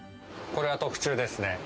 これは特注ですね。